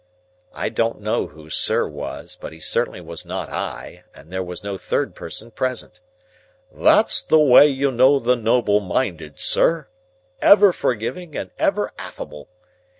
(I don't know who Sir was, but he certainly was not I, and there was no third person present); "that's the way you know the noble minded, sir! Ever forgiving and ever affable.